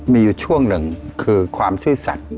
มีอยู่ช่วงหนึ่งคือความซื่อสัตว์